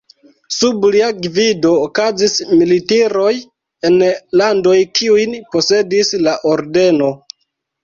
Sub lia gvido okazis militiroj en landoj kiujn posedis la ordeno.